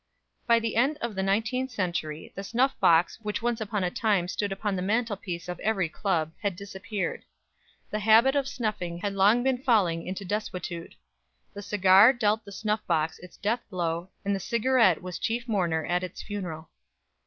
By the end of the nineteenth century the snuff box which once upon a time stood upon the mantelpiece of every club, had disappeared. The habit of snuffing had long been falling into desuetude. The cigar dealt the snuff box its death blow and the cigarette was chief mourner at its funeral.